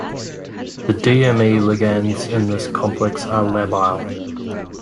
The dme ligands in this complex are labile.